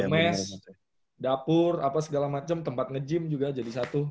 mes dapur tempat nge gym juga jadi satu